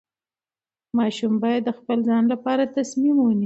ماشوم باید د خپل ځان لپاره تصمیم ونیسي.